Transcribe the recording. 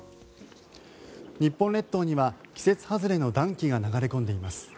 日本列島には季節外れの暖気が流れ込んでいます。